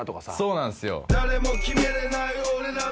そうなんですよ。